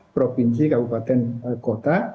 provinsi kabupaten kota